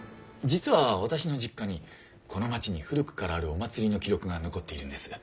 実は私の実家にこの町に古くからあるお祭りの記録が残っているんです。